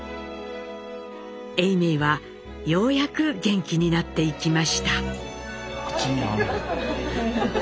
永明はようやく元気になっていきました。